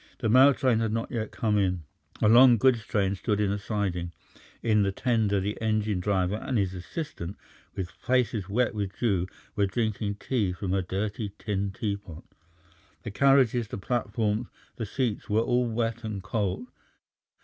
The mail train had not yet come in. A long goods train stood in a siding; in the tender the engine driver and his assistant, with faces wet with dew, were drinking tea from a dirty tin teapot. The carriages, the platforms, the seats were all wet and cold.